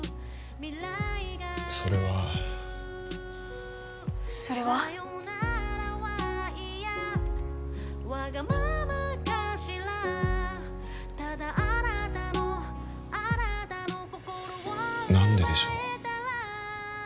それはそれは？何ででしょう？